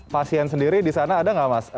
pasien sendiri disana ada gak mas